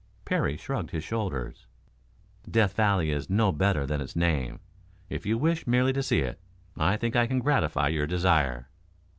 Parry shrugged his shoulders. "Death Valley is no better than its name. If you wish merely to see it, I think I can gratify your desire."